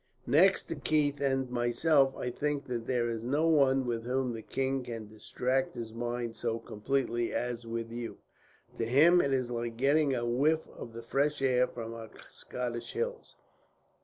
"Next to Keith and myself, I think that there is no one with whom the king can distract his mind so completely as with you. To him it is like getting a whiff of the fresh air from our Scottish hills.